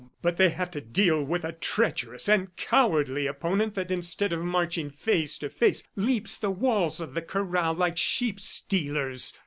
But they have to deal with a treacherous and cowardly opponent that instead of marching face to face, leaps the walls of the corral like sheep stealers.